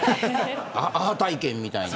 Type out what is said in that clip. アハ体験みたいに。